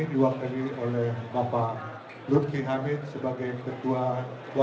diwakili oleh bapak lutfi hamid sebagai wakil ketua dua pbbc